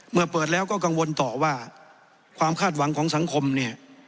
เมื่อเปิดแล้วก็กังวลต่อว่าความคาดหวังของสังคมเนี่ย